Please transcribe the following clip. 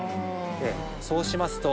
そうしますと。